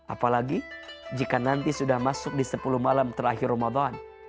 apalagi jika nanti sudah masuk di sepuluh malam terakhir ramadan